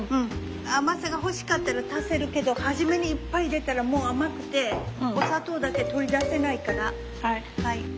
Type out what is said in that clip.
甘さが欲しかったら足せるけど初めにいっぱい入れたらもう甘くてお砂糖だけ取り出せないから。